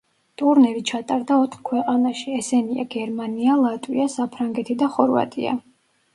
ტურნირი ჩატარდა ოთხ ქვეყანაში, ესენია: გერმანია, ლატვია, საფრანგეთი და ხორვატია.